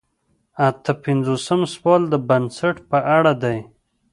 اته پنځوسم سوال د بست په اړه دی.